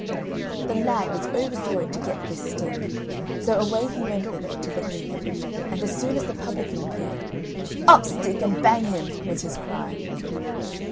The lad was overjoyed to get this stick so away he went with it to the inn, and as soon as the publican, appeared, "Up stick and bang him!" was his cry.